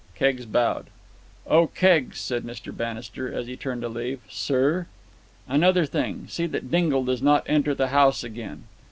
Keggs bowed. "Oh Keggs," said Mr. Bannister, as he turned to leave. "Sir?" "Another thing. See that Dingle does not enter the house again."